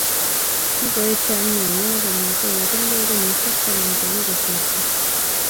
kikoeet chomienyoo kong'etee ketunkeei kenyisiek taman che kikosirto